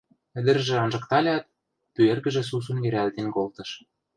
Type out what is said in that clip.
Ӹдӹржӹ анжыкталят, пӱэргӹжӹ сусун йӹрӓлтен колтыш.